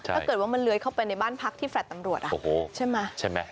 ถ้าเกิดว่ามันเลื้อยเข้าไปในบ้านพักที่แฟลต์ตำรวจใช่ไหมใช่ไหม